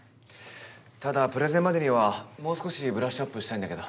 ただプレゼンまでにはもう少しブラッシュアップしたいんだけど。